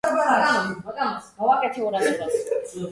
ტაძარი ააგეს ჯაკომო კვარნეგის პროექტის მიხედვით.